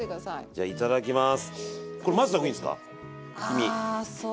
じゃあいただきます。